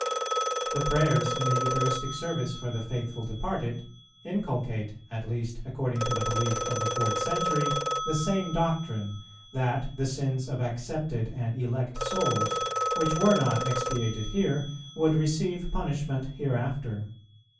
"[389:2] The prayers in the Eucharistic Service for the faithful departed, inculcate, at least according to the belief of the fourth century, the same doctrine, that the sins of accepted and elect souls, which were not expiated here, would receive punishment hereafter.